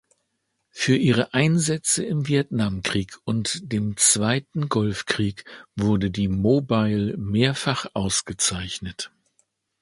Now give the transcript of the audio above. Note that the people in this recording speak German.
Für ihre Einsätze im Vietnamkrieg und dem Zweiten Golfkrieg wurde die "Mobile" mehrfach ausgezeichnet.